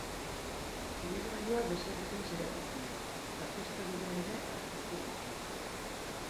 Ibilgailua desegiten saiatu zen, eta pista bila ere aztertu dute.